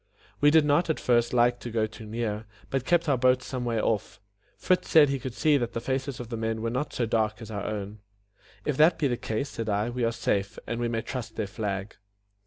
We did not at first like to go too near, but kept our boat some way off. Fritz said he could see that the faces of the men were not so dark as our own. "If that be the case," said I, "we are safe, and we may trust their flag."